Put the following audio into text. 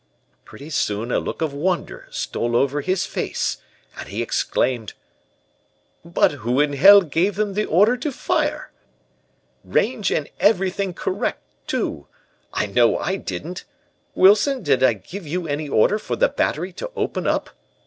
"Pretty soon a look of wonder stole over his face, and he exclaimed: "'But who in hell gave them the order to fire. Range and everything correct, too. I know I didn't. Wilson, did I give you any order for the Battery to open up?